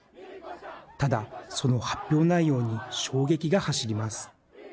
ただ、その発表内容に衝撃が走ります。